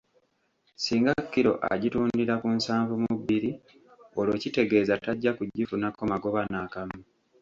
Singa kilo agitundira ku nsanvu mu bbiri, olwo kitegeeza tajja kugifunako magoba n’akamu.